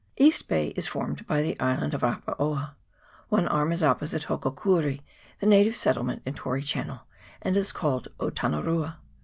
East Bay is formed by the island of Arapaoa. One arm is op posite Hokokuri, the native settlement in Tory Channel, and is called Otanarua.